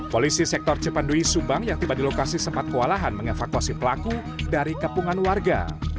polisi sektor cipandui subang yang tiba di lokasi sempat kewalahan mengevakuasi pelaku dari kepungan warga